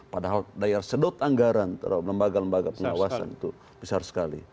padahal daya sedot anggaran terhadap lembaga lembaga pengawasan itu besar sekali